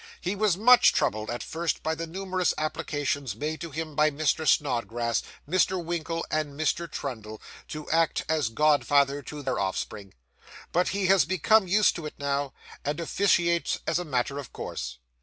He was much troubled at first, by the numerous applications made to him by Mr. Snodgrass, Mr. Winkle, and Mr. Trundle, to act as godfather to their offspring; but he has become used to it now, and officiates as a matter of course.